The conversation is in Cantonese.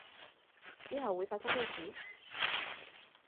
之後會發生咩事